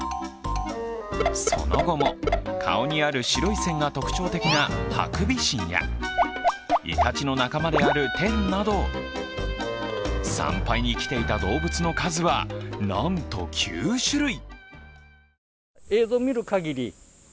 その後も、顔にある白い線が特徴的なハクビシンやイタチの仲間であるテンなど、参拝に来ていた動物の数はなんと９種類。